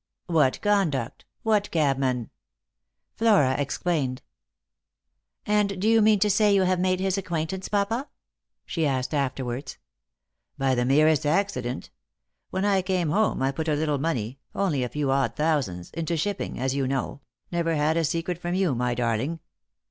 " What conduct ? What cabmen ?" Flora explained. " And do you mean to say you have made his acquaintance, papa ?" she asked afterwards. " By the merest accident. When I came home I put a little money — only a few odd thousands — into shipping, as you know — never had a secret from you, my darling.